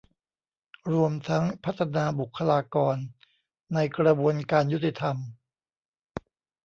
รวมทั้งพัฒนาบุคลากรในกระบวนการยุติธรรม